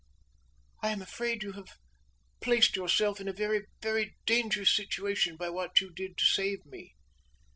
"I am afraid you have placed yourself in a very, very dangerous situation, by what you did to save me."